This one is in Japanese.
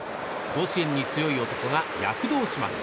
甲子園に強い男が躍動します。